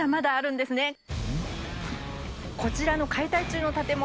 こちらの解体中の建物。